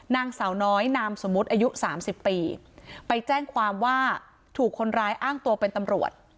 นางสาวน้อยนามสมมุติอายุสามสิบปีไปแจ้งความว่าถูกคนร้ายอ้างตัวเป็นตำรวจ